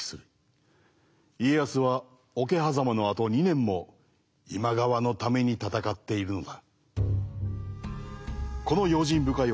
家康は桶狭間のあと２年も今川のために戦っているのだ。